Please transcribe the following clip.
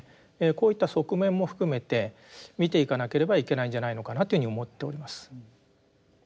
こういった側面も含めて見ていかなければいけないんじゃないのかなというふうに思っております。